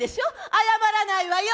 謝らないわよ！